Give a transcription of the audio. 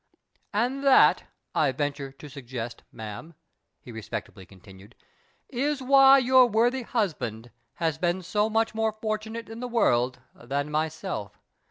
" And that, I venture to suggest, ma'am," he respectably continued, " is why your worthy husband has been so much more fortunate in the world than myself.